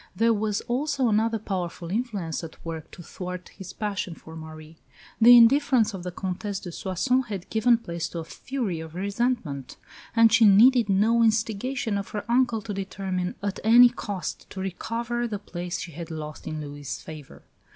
There was also another powerful influence at work to thwart his passion for Marie. The indifference of the Comtesse de Soissons had given place to a fury of resentment; and she needed no instigation of her uncle to determine at any cost to recover the place she had lost in Louis' favour.